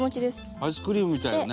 アイスクリームみたいだね。